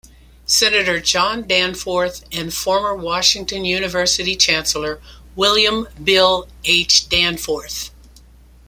Senator John Danforth and former Washington University chancellor William "Bill" H. Danforth.